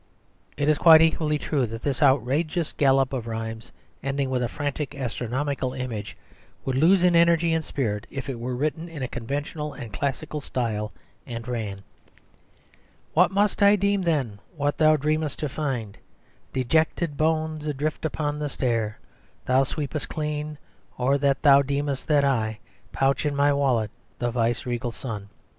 it is quite equally true that this outrageous gallop of rhymes ending with a frantic astronomical image would lose in energy and spirit if it were written in a conventional and classical style, and ran "What must I deem then that thou dreamest to find Disjected bones adrift upon the stair Thou sweepest clean, or that thou deemest that I Pouch in my wallet the vice regal sun?"